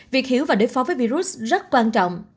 việc hiểu và đối phó với virus rất quan trọng